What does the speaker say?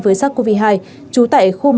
với sars cov hai trú tại khu một